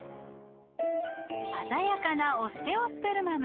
鮮やかなオステオスペルマム。